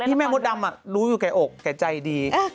แม่มดดำรู้อยู่แก่อกแก่ใจดี